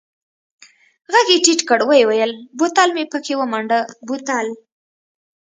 ږغ يې ټيټ کړ ويې ويل بوتل مې پکښې ومنډه بوتل.